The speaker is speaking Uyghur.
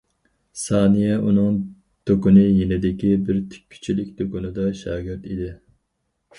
سانىيە ئۇنىڭ دۇكىنى يېنىدىكى بىر تىككۈچىلىك دۇكىنىدا شاگىرت ئىدى.